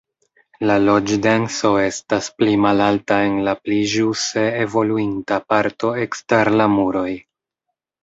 La loĝdenso estas pli malalta en la pli ĵuse evoluinta parto ekster la muroj.